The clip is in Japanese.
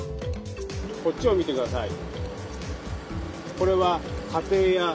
こっちを見てください。